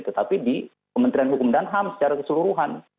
tetapi di kementerian hukum dan ham secara keseluruhan